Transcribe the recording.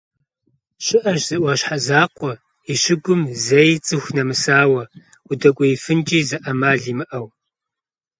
ЩыӀэщ зы Ӏуащхьэ закъуэ и щыгум зэи цӀыху нэмысауэ, удэкӀуеифынкӀэ зы Ӏэмали щымыӀэу.